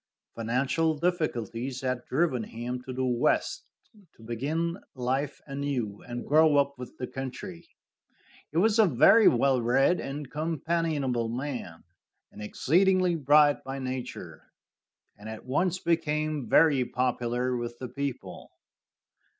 Financial difficulties had driven him to the West, to begin life anew and grow up with the country. He was a very well read and companionable man, and exceedingly bright by nature, and at once became very popular with the people.